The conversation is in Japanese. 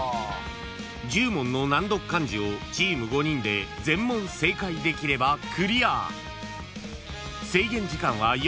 ［１０問の難読漢字をチーム５人で全問正解できればクリア］